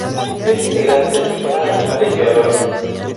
Es integrante del Sistema Nacional de Creadores.